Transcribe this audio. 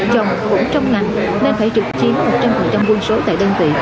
chồng cũng trong ngành nên phải trực chiếm một trăm linh quân số tại đơn vị